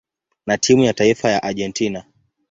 na timu ya taifa ya Argentina.